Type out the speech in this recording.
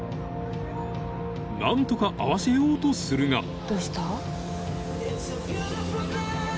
［何とか合わせようとするが］